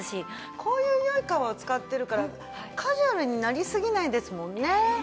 こういう良い革を使ってるからカジュアルになりすぎないですもんね。